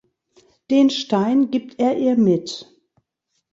Den Stein gibt er ihr mit.